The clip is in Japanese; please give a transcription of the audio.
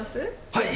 はい！